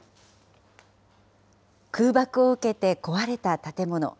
空爆を受けて壊れた建物。